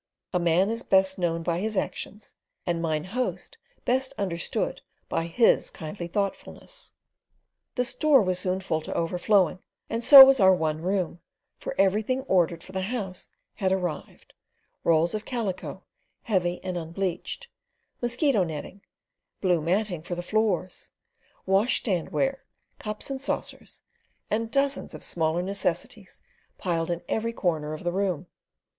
A man is best known by his actions, and Mine Host best understood by his kindly thoughtfulness. The store was soon full to overflowing, and so was our one room, for everything ordered for the house had arrived—rolls of calico heavy and unbleached, mosquito netting, blue matting for the floors, washstand ware, cups and saucers, and dozens of smaller necessities piled in every corner of the room.